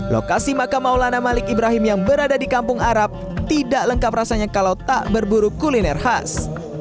lokasi makam maulana malik ibrahim yang berada di kampung arab tidak lengkap rasanya kalau tak berburu kuliner khas